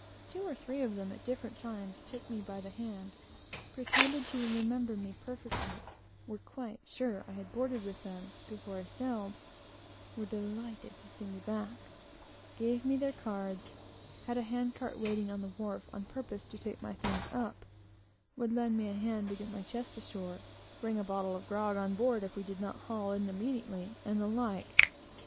Two or three of them, at different times, took me by the hand; remembered me perfectly; were quite sure I had boarded with them before I sailed; were delighted to see me back; gave me their cards; had a hand cart waiting on the wharf, on purpose to take my things up: would lend me a hand to get my chest ashore; bring a bottle of grog on board if we did not haul in immediately, and the like.